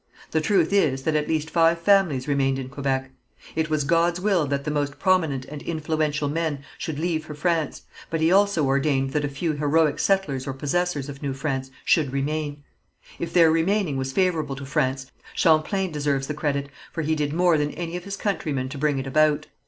The truth is that at least five families remained in Quebec. It was God's will that the most prominent and influential men should leave for France, but He also ordained that a few heroic settlers or possessors of New France should remain. If their remaining was favourable to France Champlain deserves the credit, for he did more than any of his countrymen to bring it about.